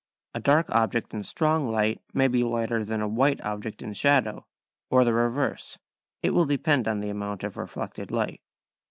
A dark object in strong light may be lighter than a white object in shadow, or the reverse: it will depend on the amount of reflected light.